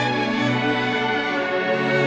sampai ketemu kedua kap landlords